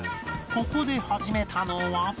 ここで始めたのは